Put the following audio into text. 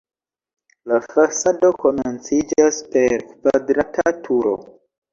La fasado komenciĝas per kvadrata turo.